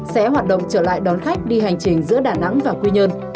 sẽ hoạt động trở lại đón khách đi hành trình giữa đà nẵng và quy nhơn